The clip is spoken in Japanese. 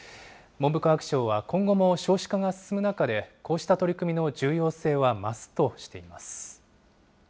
文部科学省は今後も少子化が進む中で、こうした取り組みの重要性は増すとしています。